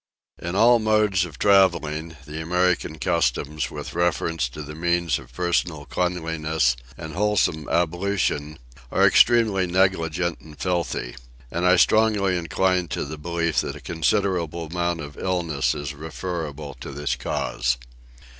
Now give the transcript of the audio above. In all modes of travelling, the American customs, with reference to the means of personal cleanliness and wholesome ablution, are extremely negligent and filthy; and I strongly incline to the belief that a considerable amount of illness is referable to this cause.